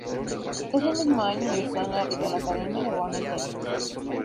Ese mismo año ingresó en la Reial Academia de Bones Lletres.